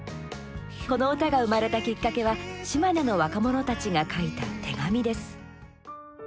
この歌が生まれたきっかけは島根の若者たちが書いた手紙です。